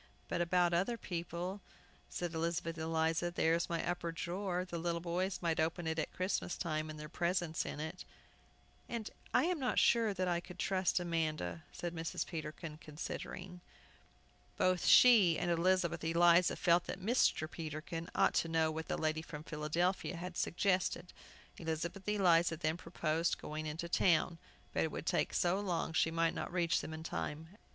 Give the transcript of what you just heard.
"But about other people," said Elizabeth Eliza; "there is my upper drawer; the little boys might open it at Christmas time, and their presents in it!" "And I am not sure that I could trust Amanda," said Mrs. Peterkin, considering. Both she and Elizabeth Eliza felt that Mr. Peterkin ought to know what the lady from Philadelphia had suggested. Elizabeth Eliza then proposed going into town, but it would take so long she might not reach them in time.